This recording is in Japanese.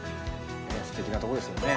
ステキなとこですよね。